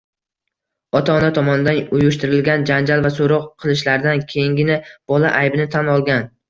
Ota-ona tomonidan uyushtirilgan janjal va so‘roq qilishlardan keyingina bola aybini tan olgan.